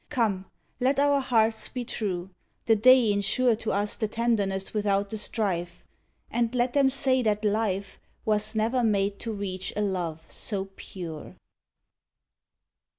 Come, let our hearts be true the day insure To us the tenderness without the strife, And let them say that life Was never made to reach a love so pure.